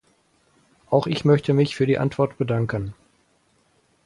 Auch ich möchte mich für die Antwort bedanken.